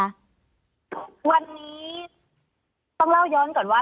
วันนี้ต้องเล่าย้อนก่อนว่า